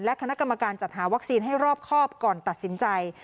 คณะกรรมการจัดหาวัคซีนให้รอบครอบก่อนตัดสินใจ